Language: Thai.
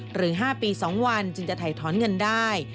๕ปี๒วันจึงจะถ่ายถอนเงินได้